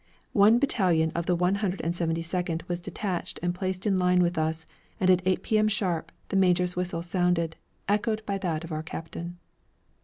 One battalion of the One Hundred and Seventy Second was detached and placed in line with us, and at eight P.M. sharp the major's whistle sounded, echoed by that of our captain.